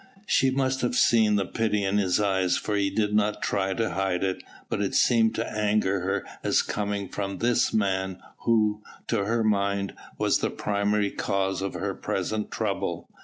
She must have seen the pity in his eyes for he did not try to hide it, but it seemed to anger her as coming from this man who to her mind was the primary cause of her present trouble.